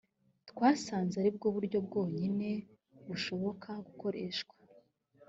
twasanze ari bwo buryo bwonyine bushoboka gukoreshwa